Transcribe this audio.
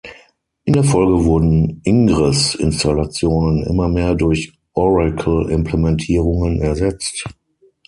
In der Folge wurden Ingres-Installationen immer mehr durch Oracle-Implementierungen ersetzt.